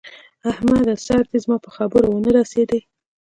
احمده! سر دې زما په خبره و نه رسېدی!